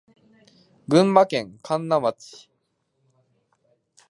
群馬県神流町